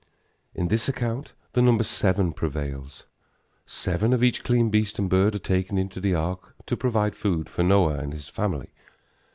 In this account the number seven prevails. Seven of each clean beast and bird are taken into the ark to provide food for Noah and his family.